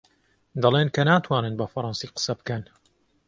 دەڵێن کە ناتوانن بە فەڕەنسی قسە بکەن.